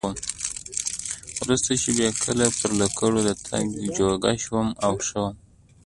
وروسته چې بیا کله پر لکړو د تګ جوګه شوم او ښه وم.